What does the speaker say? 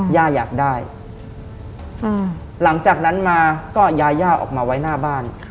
อยากได้หลังจากนั้นมาก็ยาย่าออกมาไว้หน้าบ้าน